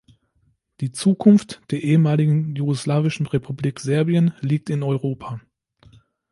Die Zukunft der ehemaligen jugoslawischen Republik Serbien liegt in Europa.